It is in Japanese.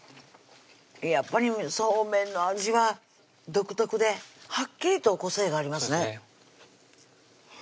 やっぱりそうめんの味は独特ではっきりと個性がありますねそうですね